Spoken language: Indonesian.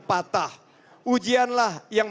patah ujianlah yang